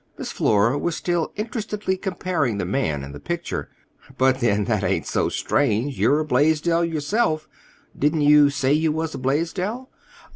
Miss Flora was still interestedly comparing the man and the picture, "But, then, that ain't so strange. You're a Blaisdell yourself. Didn't you say you was a Blaisdell?"